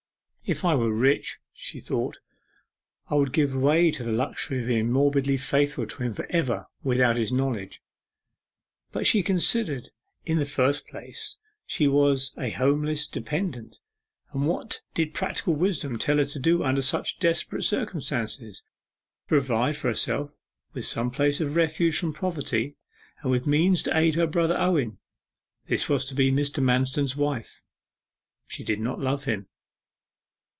'If I were rich,' she thought, 'I would give way to the luxury of being morbidly faithful to him for ever without his knowledge.' But she considered; in the first place she was a homeless dependent; and what did practical wisdom tell her to do under such desperate circumstances? To provide herself with some place of refuge from poverty, and with means to aid her brother Owen. This was to be Mr. Manston's wife. She did not love him.